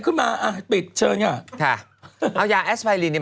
ขึ้นมาอ่ะปิดเชิญค่ะเอายาแอสไยลีนเนี่ย